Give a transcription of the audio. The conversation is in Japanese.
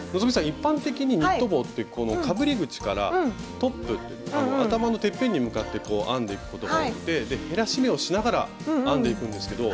一般的にニット帽ってこのかぶり口からトップ頭のてっぺんに向かって編んでいくことが多くて減らし目をしながら編んでいくんですけど。